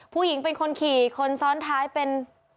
ผู้หญิงเป็นคนขี่คนซ้อนท้ายเป็น